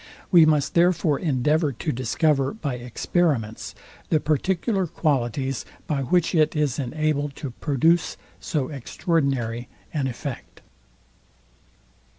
We must therefore endeavour to discover by experiments the particular qualities, by which it is enabled to produce so extraordinary an effect.